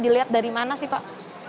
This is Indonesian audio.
dilihat dari mana sih pak